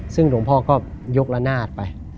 ซึ่งหลวงพ่อก็ยกระนาดไป